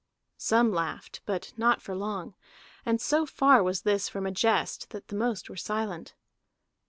Some laughed, but not for long, and so far was this from a jest that the most were silent.